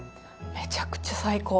めちゃくちゃ最高。